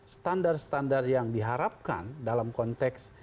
standar standar yang diharapkan dalam konteks